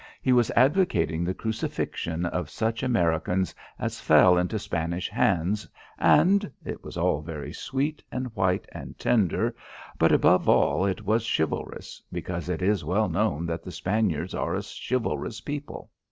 He was advocating the crucifixion of such Americans as fell into Spanish hands and it was all very sweet and white and tender, but above all, it was chivalrous, because it is well known that the Spaniards are a chivalrous people.